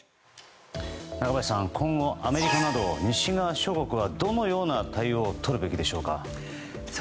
中林さん、今後アメリカなど西側諸国はどのような対応をとるべきでしょうか。